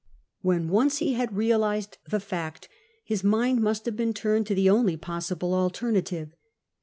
When once he had realised the fact, his mind must have been turned to the only possible alternative.